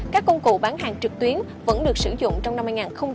các công cụ bán hàng trực tuyến vẫn được sử dụng trong năm hai nghìn hai mươi ba